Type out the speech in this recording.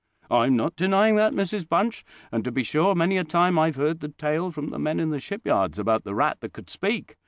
"I'm not denying that, Mrs Bunch; and, to be sure, many a time I've heard the tale from the men in the shipyards about the rat that could speak.